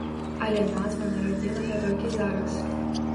Але назва нарадзілася толькі зараз.